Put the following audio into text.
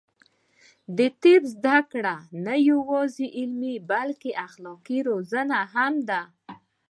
د طب زده کړه نه یوازې علمي، بلکې اخلاقي روزنه هم ده.